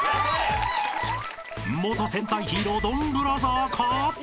［元戦隊ヒーロードンブラザーか！？］